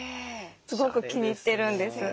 すごく気に入ってるんです。